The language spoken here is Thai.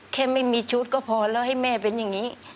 แค่ไม่มีชุดก็พอแล้วให้แม่เป็นอย่างนี้